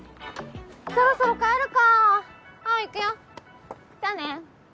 そろそろ帰るか青行くよじゃあね。